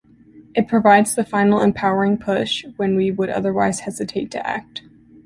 It provides the final empowering push when we would otherwise hesitate to act.